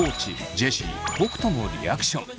ジェシー北斗のリアクション。